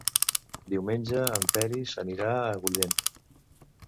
Diumenge en Peris anirà a Agullent.